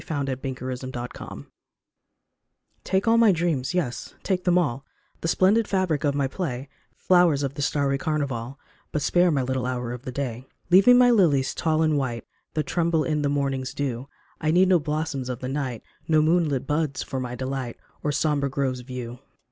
104 THE NEW DAWN TAKE all my dreams, yes, take them all, The splendid fabric of my play, Flowers of the starry carnival, But spare my little hour of day. Leave me my lilies tall and white That tremble in the morning's dew ; I need no blossoms of the night, No moonlit buds for my delight Or sombre groves of yew.